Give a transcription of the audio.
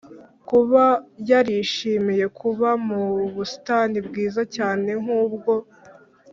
kuba yarishimiye kuba mu busitani bwiza cyane nk’ubwo!